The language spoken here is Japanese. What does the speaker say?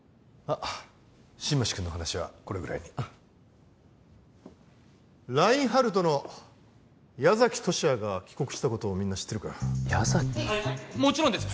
新町くんの話はこれぐらいにラインハルトの矢崎十志也が帰国したことをみんな知ってるか矢崎もちろんです